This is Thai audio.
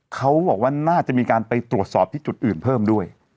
เขาบอกว่าน่าจะมีการไปตรวจสอบที่จุดอื่นเพิ่มด้วย